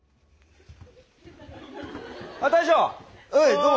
どうも。